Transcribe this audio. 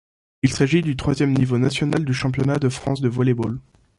Il s'agit du troisième niveau national du championnat de France de volley-ball.